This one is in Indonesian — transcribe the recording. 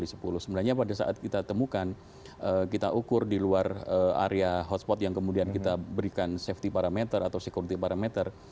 sebenarnya pada saat kita temukan kita ukur di luar area hotspot yang kemudian kita berikan safety parameter atau security parameter